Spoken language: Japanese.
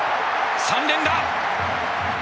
３連打！